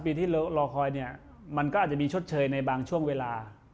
ปีที่เรารอคอยเนี่ยมันก็อาจจะมีชดเชยในบางช่วงเวลา